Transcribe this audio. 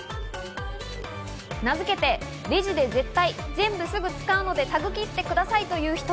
名付けて、レジで絶対全部すぐ使うので、タグ切ってくださいっていう人。